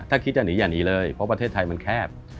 ถ้าคิดจะหนีอย่าหนีเลยเพราะประเทศไทยมันแคบ